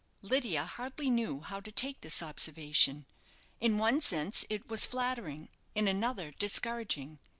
Lydia hardly knew how to take this observation. In one sense it was flattering, in another discouraging.